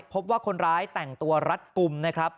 พบว่าคนร้ายแต่งตัวรัดกลุ่มนะครับ